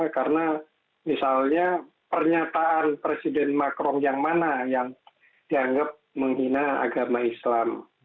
karena misalnya pernyataan presiden macron yang mana yang dianggap menghina agama islam